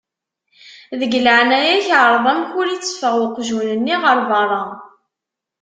Deg leεnaya-k εreḍ amek ur iteffeɣ uqjun-nni ɣer berra.